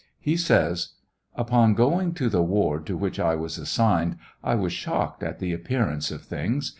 He says : Upon going to the ward to which I was assigned, I was shocked at the appearance of things.